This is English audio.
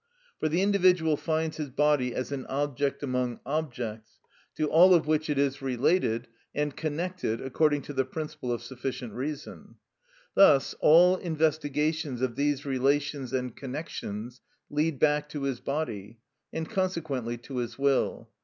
For the individual finds his body as an object among objects, to all of which it is related and connected according to the principle of sufficient reason. Thus all investigations of these relations and connections lead back to his body, and consequently to his will.